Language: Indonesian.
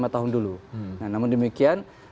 lima tahun dulu nah namun demikian